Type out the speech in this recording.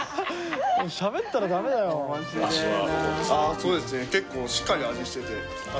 そうですね結構しっかり味してて。